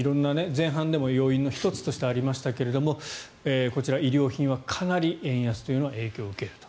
前半でも要因の１つとしてありましたがこちら、衣料品はかなり円安の影響を受けると。